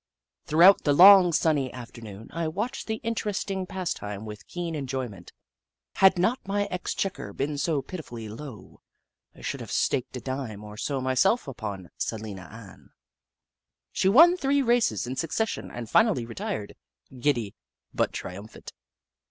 Throughout the long, sunny afternoon, I watched the interesting pastime with keen en joyment. Had not my exchequer been so pitifully low, I should have staked a dime or so myself upon Salina Ann. She won three races in succession and finally retired, giddy, but triumphant.